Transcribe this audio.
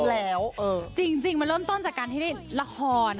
กับเพลงที่มีชื่อว่ากี่รอบก็ได้